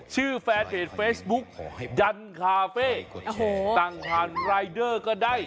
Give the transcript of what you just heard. ชื่อแฟสเกรดเฟซบุ๊กดันคาเฟ่ต่างทานรายเดอร์ก็ได้